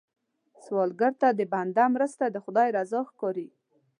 سوالګر ته د بنده مرسته، د خدای رضا ښکاري